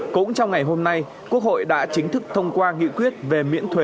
cũng trong ngày hôm nay quốc hội đã chính thức thông qua nghị quyết về miễn thuế